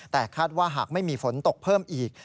แต่คาดว่าหากไม่มีฝนตกเพิ่มอีก